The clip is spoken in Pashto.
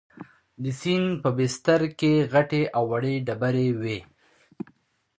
د سیند په بستر کې غټې او وړې ډبرې وې.